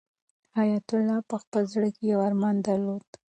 حیات الله په خپل زړه کې یو ارمان درلود.